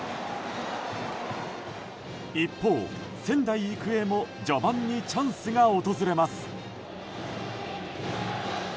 一方、仙台育英も序盤にチャンスが訪れます。